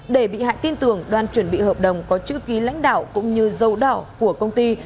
để bị hại tin tưởng đoàn chuẩn bị hợp đồng có chữ ký lãnh đạo cũng như dâu đỏ của công ty